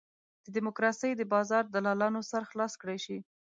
د ډیموکراسۍ د بازار دلالانو سر خلاص کړای شي.